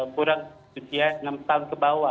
kurang usia enam tahun ke bawah